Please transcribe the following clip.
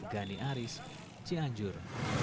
gani aris cianjur